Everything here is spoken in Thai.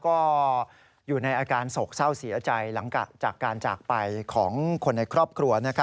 ก็อยู่ในอาการโศกเศร้าเสียใจหลังจากการจากไปของคนในครอบครัว